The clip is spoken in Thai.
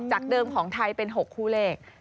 เดิมของไทยเป็น๖คู่เลข